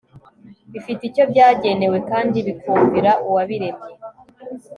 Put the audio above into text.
bifite icyo byagenewe kandi bikumvira uwabiremye